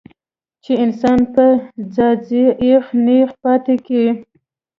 چې انسان پۀ ځائے اېغ نېغ پاتې کړي